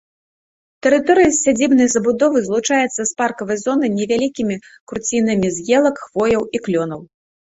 Тэрыторыя сядзібнай забудовы злучаецца з паркавай зонай невялікімі курцінамі з елак, хвояў і клёнаў.